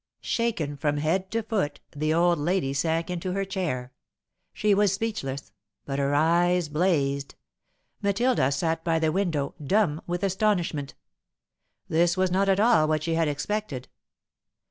Shaken from head to foot, the old lady sank into her chair. She was speechless, but her eyes blazed. Matilda sat by the window, dumb with astonishment. This was not at all what she had expected.